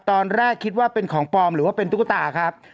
ตอนแรกคิดว่าเป็นของปลอมหรือว่าเป็นตุ๊กตาครับ